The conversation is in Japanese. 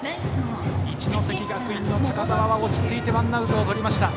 一関学院の高澤は落ちついてワンアウトをとりました。